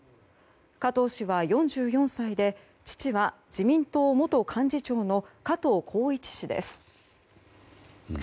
加藤氏は４４歳で父は自民党元幹事長の加藤紘一氏です。